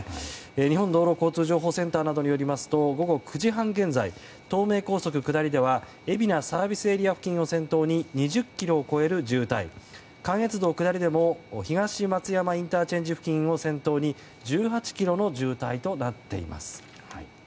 日本道路交通情報センターなどによりますと午後９時半現在東名高速下りでは海老名ＳＡ付近を先頭に２０ｋｍを超える渋滞関越道下りでも東松山ＩＣ付近を先頭に１８ｋｍの渋滞となっています。